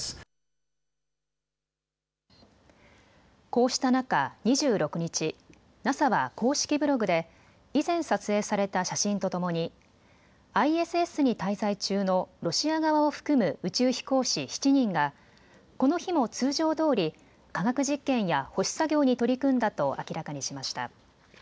こうした中、２６日、ＮＡＳＡは公式ブログで以前、撮影された写真とともにＩＳＳに滞在中のロシア側を含む宇宙飛行士７人がこの日も通常どおり科学実験や保守作業に取り組んだと明らかにしました。